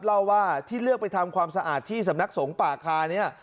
เล่าว่าที่เลือกไปทำความสะอาดที่สำนักสงฆ์ป่าคานี้